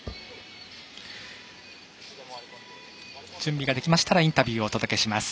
準備ができましたらインタビューをお届けします。